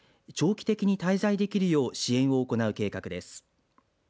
長期的に滞在できるよう支援を行う計画です。